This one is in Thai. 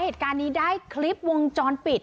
เหตุการณ์นี้ได้คลิปวงจรปิด